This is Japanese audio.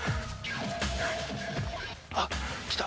あっ来た。